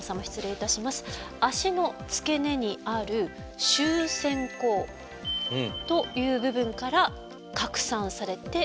脚の付け根にある臭腺孔という部分から拡散されていきます。